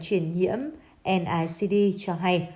truyền nhiễm nicd cho hay